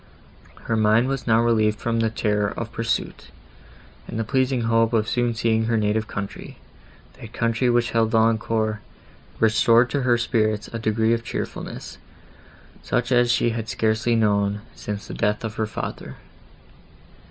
Her mind was now relieved from the terror of pursuit, and the pleasing hope of soon seeing her native country—that country which held Valancourt, restored to her spirits a degree of cheerfulness, such as she had scarcely known, since the death of her father.